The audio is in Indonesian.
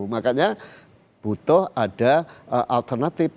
makanya butuh ada alternatif